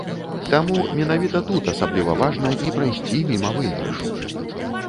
Таму менавіта тут асабліва важна не прайсці міма выйгрышу.